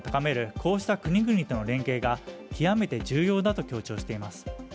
こうした国々との連携が極めて重要だと強調しています。